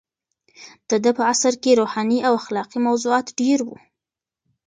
د ده په عصر کې روحاني او اخلاقي موضوعات ډېر وو.